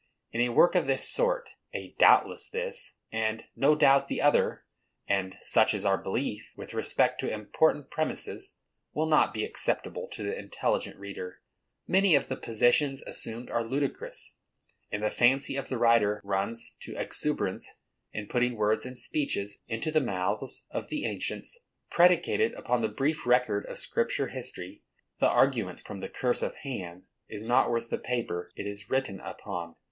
In a work of this sort, a "doubtless" this, and "no doubt" the other, and "such is our belief," with respect to important premises, will not be acceptable to the intelligent reader. Many of the positions assumed are ludicrous; and the fancy of the writer runs to exuberance in putting words and speeches into the mouths of the ancients, predicated upon the brief record of Scripture history. The argument from the curse of Ham is not worth the paper it is written upon.